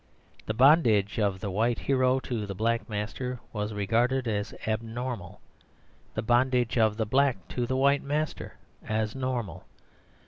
The bondage of the white hero to the black master was regarded as abnormal; the bondage of the black to the white master as normal.